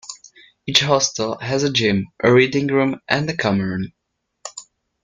Each hostel has a gym, a reading room and a common room.